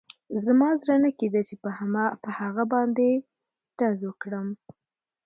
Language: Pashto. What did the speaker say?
زما زړه نه کېده چې په هغه باندې ډز وکړم